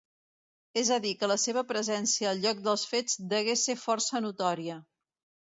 És a dir, que la seva presència al lloc dels fets degué ser força notòria.